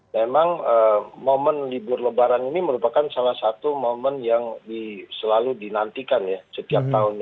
memang momen libur lebaran ini merupakan salah satu momen yang selalu dinantikan ya setiap tahun